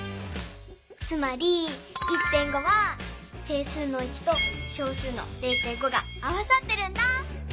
つまり１．５は整数の１と小数の０．５が合わさってるんだ。